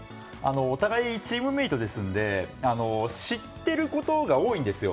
お互いチームメートですので知ってることが多いんですよ。